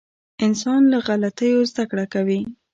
• انسان له غلطیو زده کړه کوي.